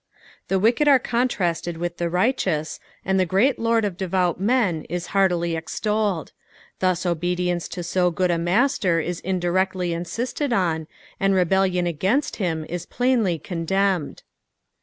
' The inicked are (xmlrasled mith the righteous, and the great Lord t^ deoovt men is heartH]/ extolled ; thtia obedience to so good a MuUr it incKrectfy intitltd on, and rebellion agaimi Aim u ploliiiy condemned.